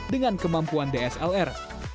dengan kemampuan dslr